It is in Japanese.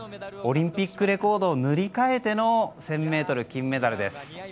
オリンピックレコードを塗り替えての１０００ｍ金メダルです。